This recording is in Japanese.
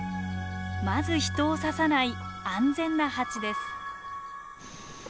まず人を刺さない安全なハチです。